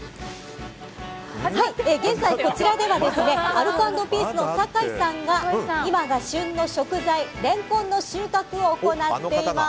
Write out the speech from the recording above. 現在、こちらではアルコ＆ピースの酒井さんが今が旬の食材レンコンの収穫を行っています。